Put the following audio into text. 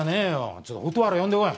ちょっと蛍原呼んでこい。